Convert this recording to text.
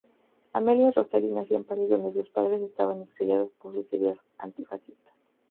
Amelia Rosselli nació en París, donde sus padres estaban exiliados por sus ideas antifascistas.